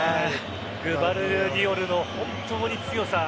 グヴァルディオルの本当に強さ。